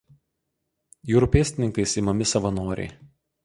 Jūrų pėstininkais imami savanoriai.